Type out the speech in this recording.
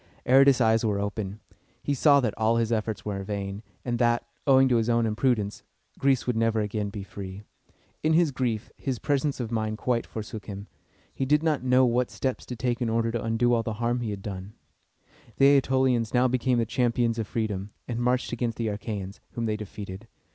Aratus' eyes were opened. He saw that all his efforts were vain, and that, owing to his own imprudence, Greece would never again be free. In his grief, his presence of mind quite forsook him. He did not know what steps to take in order to undo all the harm he had done. The Ætolians now became the champions of freedom, and marched against the Achæans, whom they defeated.